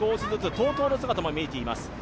ＴＯＴＯの姿も見えています。